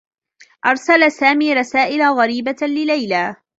أرسل سامي رسائل غريبة لليلى.